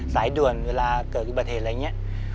สายด่วนเวลาเกิดอุบัติเหตุอะไรอย่างนี้